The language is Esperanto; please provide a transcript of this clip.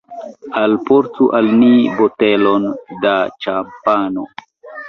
Alportu al ni botelon da ĉampano.